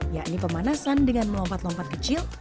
yakni pemanasan dengan melompat lompat kecil